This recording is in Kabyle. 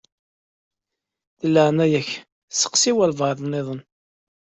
Di leɛnaya-k steqsi walebɛaḍ-nniḍen.